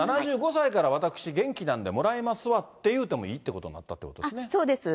７５歳まで私、元気なんでもらいますわって言ってもいいってことになったんですね。